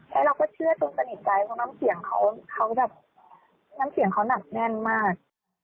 แล้วเราก็เชื่อตรงสนิทใจน้ำเสียงเขานักแน่นมาก